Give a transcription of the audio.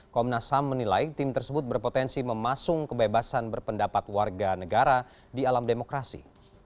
komnas ham menilai tim tersebut berpotensi memasung kebebasan berpendapat warga negara di alam demokrasi